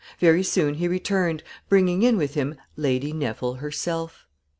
Very soon he returned, bringing in with him Lady Neville herself.